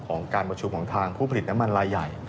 การประชุมของทางผู้ผลิตน้ำมันลายใหญ่